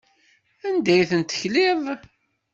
Anda ay tent-tekliḍ?